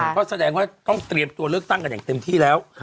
ก็แสดงว่าต้องเตรียมตัวเลือกตั้งกันอย่างเต็มที่แล้ว